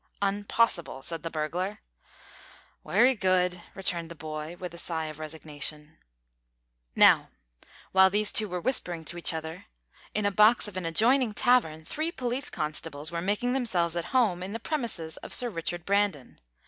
"Unpossible," said the burglar. "Wery good," returned the boy, with a sigh of resignation. Now, while these two were whispering to each other in a box of an adjoining tavern, three police constables were making themselves at home in the premises of Sir Richard Brandon.